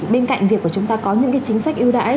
bên cạnh việc của chúng ta có những cái chính sách ưu đãi